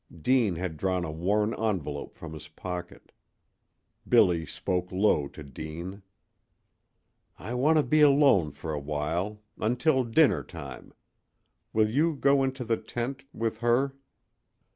Deane had drawn a worn envelope from his pocket. Billy spoke low to Deane. "I want to be alone for a while until dinner time. Will you go into the tent with her?"